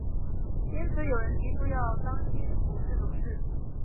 因此有人提出要当心股市走势。